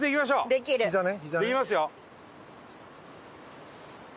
できますよ。